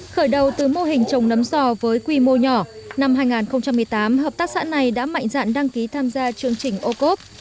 khởi đầu từ mô hình trồng nấm sò với quy mô nhỏ năm hai nghìn một mươi tám hợp tác xã này đã mạnh dạn đăng ký tham gia chương trình ô cốp